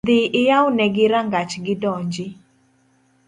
Dhii iyawnegi rangach gidonji